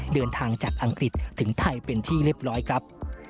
เดินทางจากอังกฤษถึงไทยเป็นที่เรียบร้อยครับ